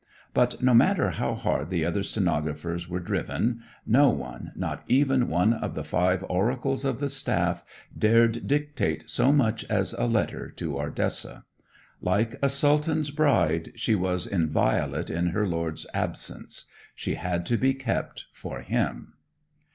But no matter how hard the other stenographers were driven, no one, not even one of the five oracles of the staff, dared dictate so much as a letter to Ardessa. Like a sultan's bride, she was inviolate in her lord's absence; she had to be kept for him.